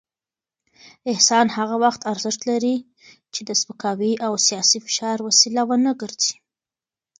احسان هغه وخت ارزښت لري چې د سپکاوي او سياسي فشار وسیله ونه ګرځي.